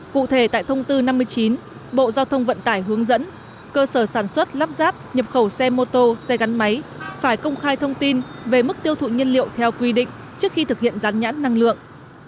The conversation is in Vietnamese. cụ thể tại thông tư năm mươi chín bộ giao thông vận tải hướng dẫn cơ sở sản xuất lắp ráp nhập khẩu xe mô tô xe gắn máy phải công khai thông tin về mức tiêu thụ nhiên liệu theo quy định trước khi thực hiện rán nhãn năng lượng